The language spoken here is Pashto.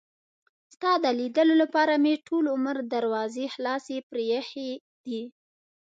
ستا د لیدلو لپاره مې ټول عمر دروازې خلاصې پرې ایښي دي.